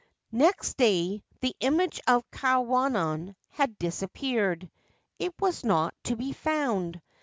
Next day the image of Kwannon had disappeared. It was not to be found.